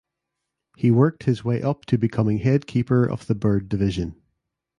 He worked his way up to becoming head keeper of the Bird Division.